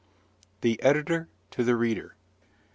THE EDITOR TO THE READER.